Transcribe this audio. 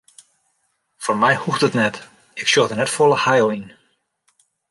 Foar my hoecht it net, ik sjoch der net folle heil yn.